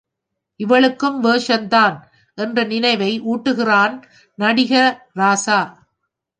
இவளுக்கும் வேஷம் தான்!... என்ற நினைவை ஊட்டுகிறான் நடிக ராசா.